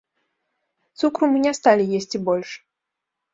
Цукру мы не сталі есці больш.